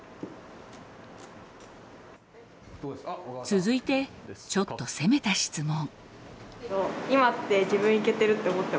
続いてちょっと攻めた質問。